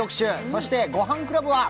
そして「ごはんクラブ」は。